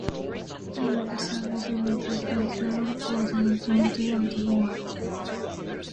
He would serve with this unit for the entirety of the war.